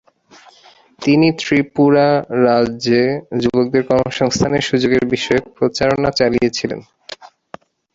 তিনি ত্রিপুরা রাজ্যের যুবকদের কর্মসংস্থানের সুযোগের বিষয়ে প্রচারণা চালিয়ে ছিলেন।